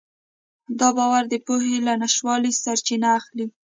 دا باور د پوهې له نشتوالي سرچینه اخلي.